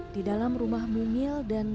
di dalam rumah mumil dan